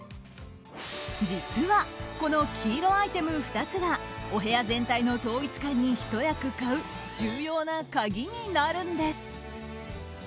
実は、この黄色アイテム２つがお部屋全体の統一感にひと役買う重要な鍵になるんです。